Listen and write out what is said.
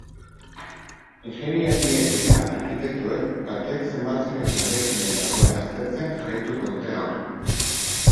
Ingeniariek eta arkitektoek kalteak zenbatzen eta eraikinen egoera aztertzen jarraituko dute gaur.